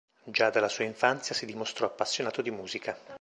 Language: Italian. Già dalla sua infanzia si dimostrò appassionato di musica.